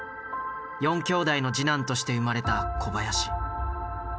４きょうだいの次男として生まれた小林。